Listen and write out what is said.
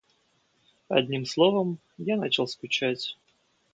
Одним словом, я начал скучать.